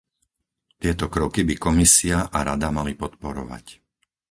Tieto kroky by Komisia a Rada mali podporovať.